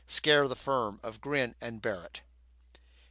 Scare the firm of Grin and Barrett?